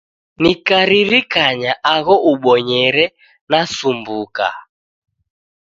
Nikaririkanya agho ubonyere nasumbuka.